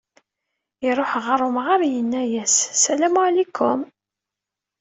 Iruḥ ɣer umɣar, yenna-as: "Salam waɛlikum».